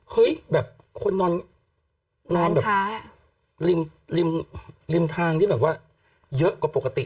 แบบคนนอนแบบริมทางที่แบบว่าเยอะกว่าปกติ